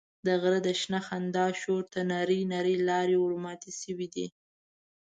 د غره د شنه خندا شور ته نرۍ نرۍ لارې ورماتې شوې دي.